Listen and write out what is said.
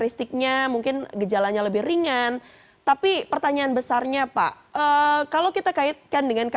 selamat sore pak bapak